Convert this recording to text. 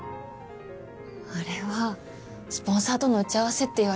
あれはスポンサーとの打ち合わせって言われて。